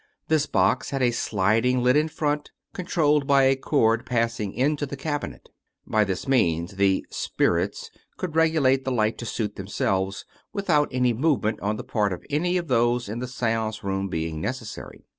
This box had a sliding lid in front, controlled by a cord passing into the cabinet. By this means the " spirits " could regulate the light to suit themselves, without any movement on the part of any of those in the seance room being necessary.